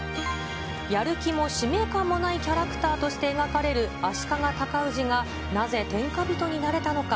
やる気も使命感もないキャラクターとして描かれる足利尊氏がなぜ天下人になれたのか。